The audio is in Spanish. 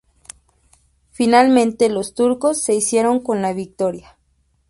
Finalmente, los turcos se hicieron con la victoria.